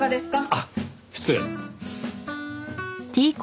あっ失礼。